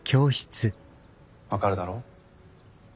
分かるだろ？